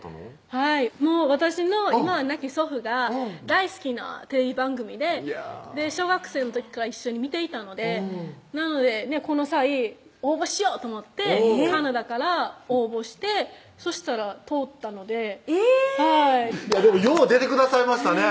はい私の今は亡き祖父が大好きなテレビ番組で小学生の時から一緒に見ていたのでなのでこの際応募しようと思ってカナダから応募してそしたら通ったのでえぇでもよう出てくださいましたね